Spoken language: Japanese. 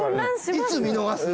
いつ見逃すの。